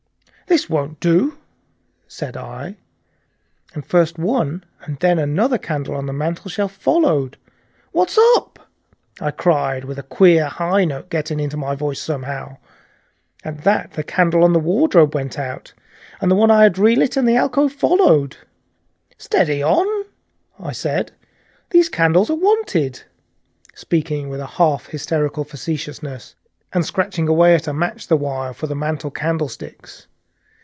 "This won't do!" said I, and first one and then another candle on the mantelshelf followed. "What's up?" I cried, with a queer high note getting into my voice somehow. At that the candle on the corner of the wardrobe went out, and the one I had relit in the alcove followed. "Steady on!" I said, "those candles are wanted," speaking with a half hysterical facetiousness, and scratching away at a match the while, "for the mantel candlesticks."